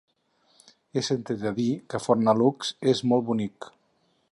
He sentit a dir que Fornalutx és molt bonic.